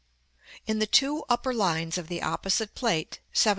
In the two upper lines of the opposite Plate (XVII.)